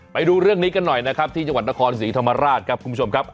ไปดูเรื่องนี้กันหน่อยนะครับที่จังหวัดนครศรีธรรมราชครับคุณผู้ชมครับ